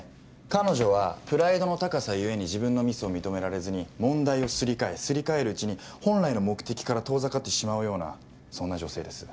彼女はプライドの高さゆえに自分のミスを認められずに問題をすり替えすり替えるうちに本来の目的から遠ざかってしまうようなそんな女性です。